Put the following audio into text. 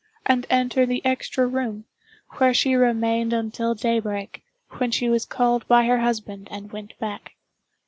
and enter the extra room, where she remained until daybreak, when she was called by her husband and went back.